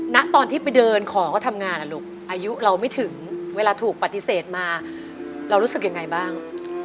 ณตอนที่ไปเดินขอก็ทำงานอ่ะลูกอายุเราไม่ถึงเวลาถูกปฏิเสธมาเรารู้สึกยังไงบ้าง